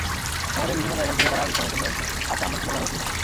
নগরের বিভিন্ন জায়গা ঘুরে তারা বিশ্রামের জন্য আসে আন্দরকিল্লা জামে মসজিদের ফটকে।